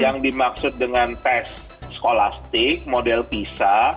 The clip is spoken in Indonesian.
yang dimaksud dengan tes skolastik model pisa